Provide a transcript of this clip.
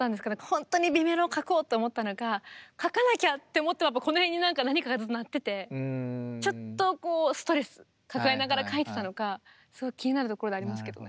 本当に美メロを書こうと思ったのか書かなきゃって思ってこの辺に何かがずっと鳴っててちょっとこうストレス抱えながら書いてたのかすごく気になるところではありますけどね。